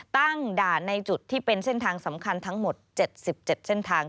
ตั้งด่านในจุดที่เป็นเส้นทางสำคัญทั้งหมด๗๗เส้นทาง